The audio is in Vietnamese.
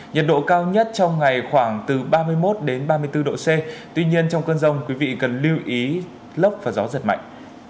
nhiệt độ cao nhất trong ngày khoảng từ ba mươi một ba mươi bốn độ c tuy nhiên trong cơn rông quý vị cần lưu ý lốc và gió giật mạnh